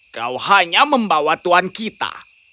kau hanya membawa tuhan kita